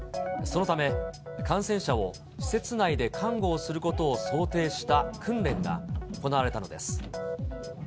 そのため、感染者を施設内で看護することを想定した訓練が行われたのです。